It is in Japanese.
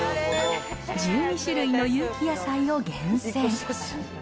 １２種類の有機野菜を厳選。